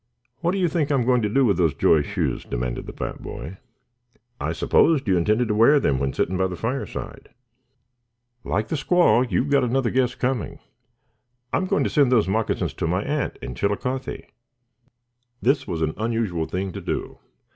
"What do you think I'm going to do with those joy shoes?" demanded the fat boy. "I supposed you intended to wear them when sitting by the fireside." "Like the squaw, you've got another guess coming. I'm going to send those moccasins to my aunt in Chillicothe." This was an unusual thing to do.